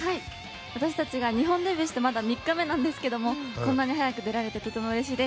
私たちが日本デビューしてまだ３日目なんですけどもこんなに早く出られてとてもうれしいです。